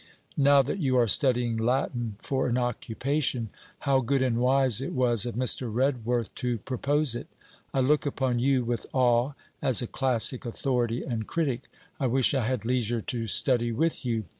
Now that you are studying Latin for an occupation how good and wise it was of Mr. Redworth to propose it! I look upon you with awe as a classic authority and critic. I wish I had leisure to study with you.